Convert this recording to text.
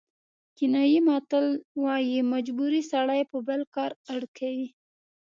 کینیايي متل وایي مجبوري سړی په بېل کار اړ کوي.